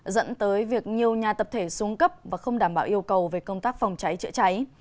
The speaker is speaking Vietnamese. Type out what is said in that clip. dẫn tới việc nhiều nhà tập thể xuống cấp và không đảm bảo yêu cầu về công tác phòng cháy chữa cháy